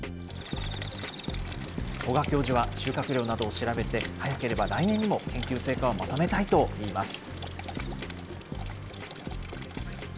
古閑教授は収穫量などを調べて、早ければ来年にも研究成果をまとめたいといいます。